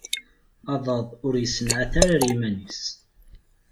Aḍad ur issenɛat ara ar yiman-is.